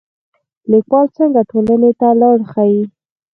لیکوال څنګه ټولنې ته لار ښيي؟